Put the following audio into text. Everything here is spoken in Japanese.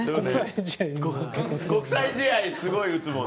出川：国際試合すごい打つもんね。